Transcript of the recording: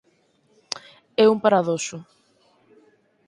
É un paradoxo